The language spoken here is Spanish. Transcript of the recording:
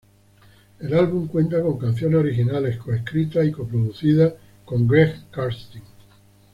El álbum cuenta con canciones originales co-escritas y co-producidas con Greg Kurstin.